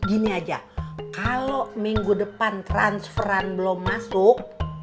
gini aja kalau minggu depan transferan belum masuk